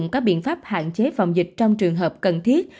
có biện pháp hạn chế phòng dịch trong trường hợp cần thiết